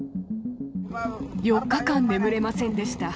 ４日間眠れませんでした。